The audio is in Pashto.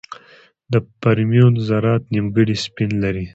د فرمیون ذرات نیمګړي سپین لري.